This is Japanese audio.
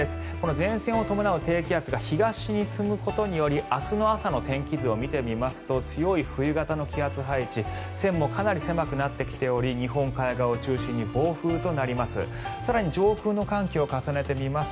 前線を伴う低気圧が東に進むことにより明日の朝の天気図を見てみますと強い冬型の気圧配置線もかなり狭くなってきており日本海側を中心に暴風となります。